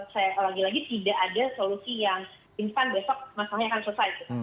saya lagi lagi tidak ada solusi yang instan besok masalahnya akan selesai